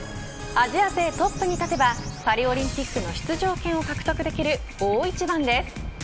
アジア勢トップに立てばパリオリンピックの出場権を獲得できる大一番です。